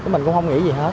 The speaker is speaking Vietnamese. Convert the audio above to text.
mình cũng không nghĩ gì hết